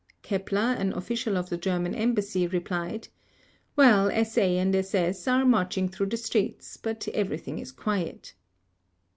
Keppler, an official of the German Embassy, replied: "Well, SA and SS are marching through the streets, but everything is quiet."